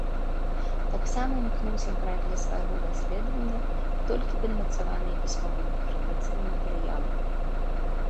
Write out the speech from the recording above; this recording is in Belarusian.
Таксама імкнуўся браць для свайго даследавання толькі падмацаваныя пісьмовымі крыніцамі матэрыялы.